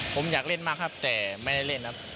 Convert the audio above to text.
ผมอยากเล่นมากครับแต่ไม่ได้เล่นครับ